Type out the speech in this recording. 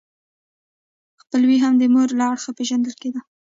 خپلوي هم د مور له اړخه پیژندل کیده.